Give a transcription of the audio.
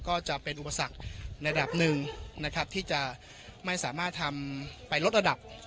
ก็จะเป็นอุปสรรคในระดับหนึ่งนะครับที่จะไม่สามารถทำไปลดระดับ